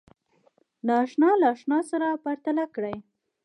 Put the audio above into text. ناآشنا له آشنا سره پرتله کړئ